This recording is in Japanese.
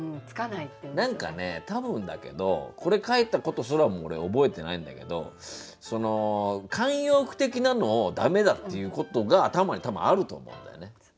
何かね多分だけどこれ書いたことすらも俺覚えてないんだけど慣用句的なのを駄目だっていうことが頭に多分あると思うんだよね。